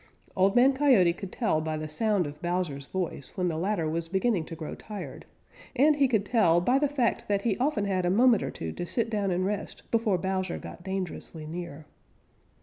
Old Man Coyote could tell by the sound of Bowser's voice when the latter was beginning to grow tired, and he could tell by the fact that he often had a moment or two to sit down and rest before Bowser got dangerously near.